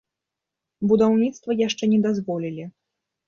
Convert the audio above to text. Будаўніцтва яшчэ не дазволілі.